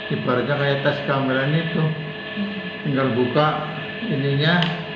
ibaratnya kayak tes kehamilan itu tinggal buka ininya